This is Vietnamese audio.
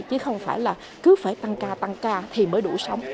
chứ không phải là cứ phải tăng ca tăng ca thì mới đủ sống